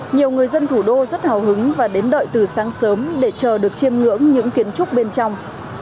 nhiều người dân thủ đô rất hào hứng và đến đợi từ sáng sớm để chờ được chiêm ngưỡng những kiến trúc bên trong